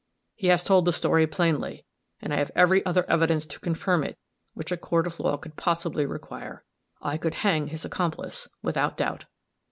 He has told the story plainly, and I have every other evidence to confirm it which a court of law could possibly require. I could hang his accomplice, without doubt."